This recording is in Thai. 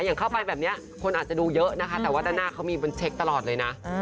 อย่างเข้าไปแบบนี้คนอาจจะดูเยอะนะคะแต่ว่าด้านหน้าเขามีเป็นเช็คตลอดเลยนะ